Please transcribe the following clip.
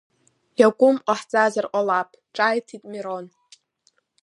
Иакәым ҟаҳҵазар ҟалап, ҿааиҭит Мирон.